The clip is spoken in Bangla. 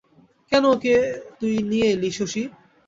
কেন ওকে তুই নিয়ে এলি শশী!